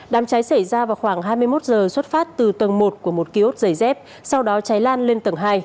đám cháy xảy ra vào khoảng hai mươi một giờ xuất phát từ tầng một của một kiosk giày dép sau đó cháy lan lên tầng hai